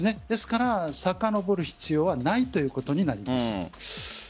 ですから、さかのぼる必要はないということになります。